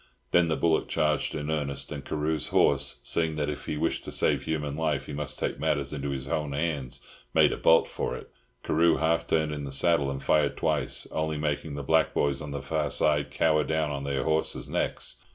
Then the bullock charged in earnest; and Carew's horse, seeing that if he wished to save human life he must take matters into his own hands, made a bolt for it. Carew half turned in the saddle, and fired twice, only making the black boys on the far side cower down on their horses' necks.